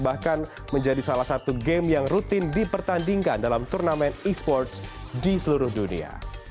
bahkan menjadi salah satu game yang rutin dipertandingkan dalam turnamen e sports di seluruh dunia